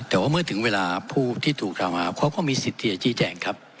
แต่ว่าเมื่อถึงเวลาผู้ที่ถูกกล่าวหาเขาก็มีสิทธิ์ที่จะชี้แจงครับ